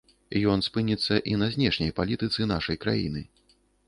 Ён спыніцца і на знешняй палітыцы нашай краіны.